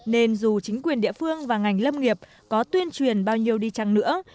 nên dù chính quyền địa phương và ngành lâm nghiệp có tuyên truyền bao nhiêu đi chăng nữa